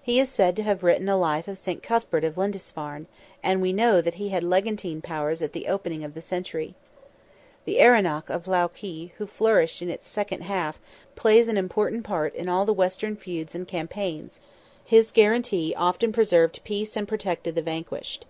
He is said to have written a life of Saint Cuthbert of Lindisfarne, and we know that he had legantine powers at the opening of the century. The Erenach of Lough Key, who flourished in its second half, plays an important part in all the western feuds and campaigns; his guarantee often preserved peace and protected the vanquished.